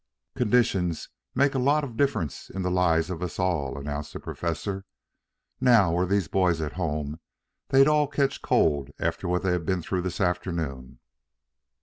"Conditions make a lot of difference in the lives of all of us," announced the Professor. "Now, were these boys at home they'd all catch cold after what they have been through this afternoon.